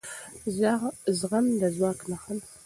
زغم د ځواک نښه ده